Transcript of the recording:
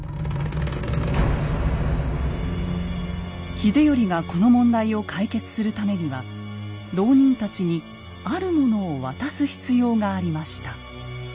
秀頼がこの問題を解決するためには牢人たちにあるものを渡す必要がありました。